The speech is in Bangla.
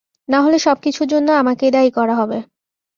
না হলে সব কিছুর জন্য আমাকেই দায়ী করা হবে!